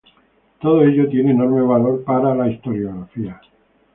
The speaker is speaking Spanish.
Todo ello tiene enorme valor para la historiografía.